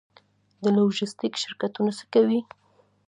د لوژستیک شرکتونه څه کوي؟